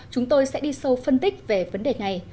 chúng tôi sẽ đi sâu phân tích về vấn đề này